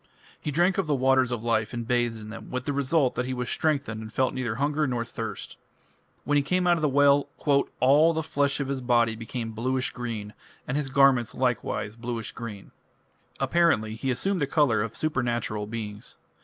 He drank of the "waters of life" and bathed in them, with the result that he was strengthened and felt neither hunger nor thirst. When he came out of the well "all the flesh of his body became bluish green and his garments likewise bluish green". Apparently he assumed the colour of supernatural beings.